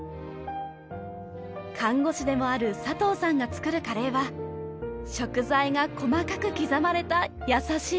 看護師でもある佐藤さんが作るカレーは食材が細かく刻まれた優しい味わい。